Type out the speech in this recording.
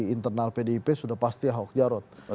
internal pdip sudah pasti ahok jarot